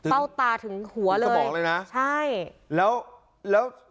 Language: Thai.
เฝ้าตาถึงหัวเลยสมองเลยนะใช่แล้วแล้ว